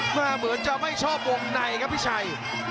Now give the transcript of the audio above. เหมือนจะไม่ชอบวงในครับพี่ชัย